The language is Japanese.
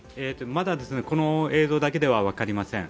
まだ、この映像だけでは分かりません。